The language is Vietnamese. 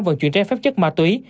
vận chuyển trái phép chất ma túy